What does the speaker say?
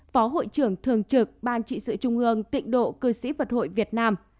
phó hội trưởng thường trực ban trị sự trung ương tịnh độ cư sĩ phật hội việt nam